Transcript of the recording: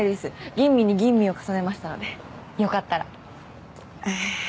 吟味に吟味を重ねましたのでよかったらええー